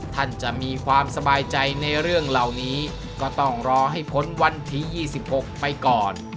ท่านจะมีความสบายใจในเรื่องเหล่านี้ก็ต้องรอให้พ้นวันที่๒๖ไปก่อน